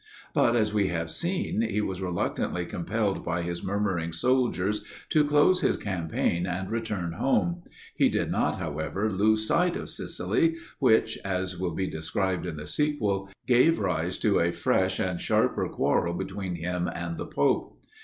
But, as we have seen, he was reluctantly compelled by his murmuring soldiers to close his campaign and return home. He did not, however, lose sight of Sicily; which, as will be described in the sequel, gave rise to a fresh and sharper quarrel between him and the pope.